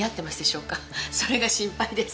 それが心配です